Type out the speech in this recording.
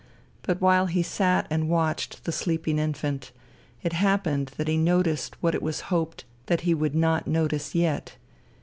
But while he sat and watched the sleeping infant it happened that he noticed what it was hoped that he would not notice yet.